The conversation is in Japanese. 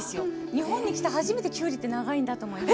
日本に来て初めてきゅうりって長いんだと思いました。